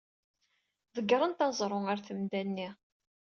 Ḍeggrent aẓru ɣer temda-nni.